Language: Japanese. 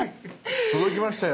届きましたよ。